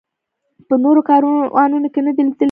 په نورو کاروانونو کې نه لیدل کېده.